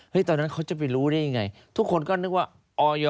ตอนนั้นเขาจะไปรู้ได้ยังไงทุกคนก็นึกว่าออย